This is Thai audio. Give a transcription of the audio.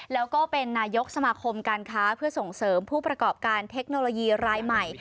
แล้วก็เป็นนายกสมาคมการค้าเพื่อส่งเสริมผู้ประกอบการเทคโนโลยีรายใหม่